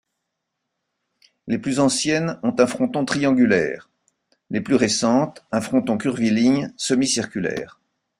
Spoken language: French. Les plus anciennes ont un fronton triangulaire, les plus récentes un fronton curviligne, semi-circulaire.